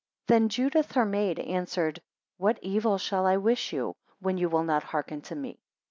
6 Then Judith her maid answered, what evil shall I wish you, when you will not hearken to me?